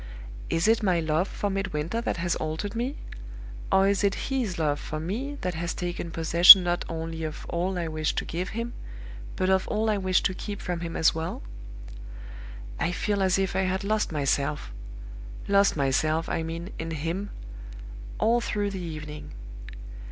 "Is it my love for Midwinter that has altered me? Or is it his love for me that has taken possession not only of all I wish to give him, but of all I wish to keep from him as well? I feel as if I had lost myself lost myself, I mean, in him all through the evening.